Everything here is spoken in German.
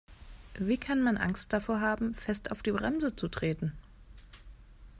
Wie kann man Angst davor haben, fest auf die Bremse zu treten?